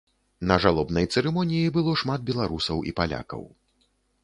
На жалобнай цырымоніі было шмат беларусаў і палякаў.